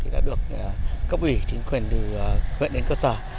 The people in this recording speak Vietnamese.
đã được cấp ủy chính quyền từ huyện đến cơ sở